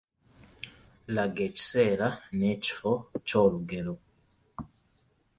Laga ekiseera n’ekifo ky’olugero.